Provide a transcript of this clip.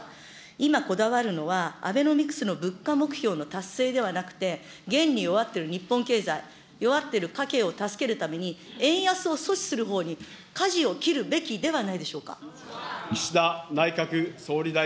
今こだわるのはアベノミクスの物価目標の達成ではなくて、現に弱ってる日本経済、弱ってる家計を助けるために、円安を阻止するほうに、かじを切るべきではないでしょうか。